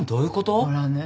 ほらね。